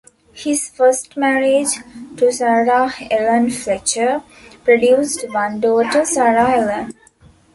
His first marriage - to Sarah Ellen Fletcher - produced one daughter, Sarah Ellen.